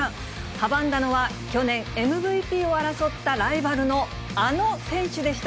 阻んだのは去年、ＭＶＰを争ったライバルのあの選手でした。